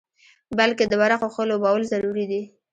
بلکې د ورقو ښه لوبول ضروري دي.